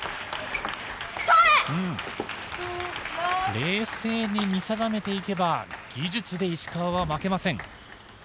冷静に見定めていけば技術で石川は負けません。